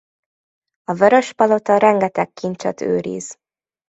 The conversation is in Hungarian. A vörös palota rengeteg kincset őriz.